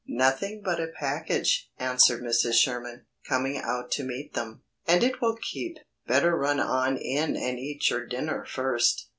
"Nothing but a package," answered Mrs. Sherman, coming out to meet them. "And it will keep. Better run on in and eat your dinner first.